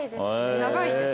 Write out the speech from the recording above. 長いです。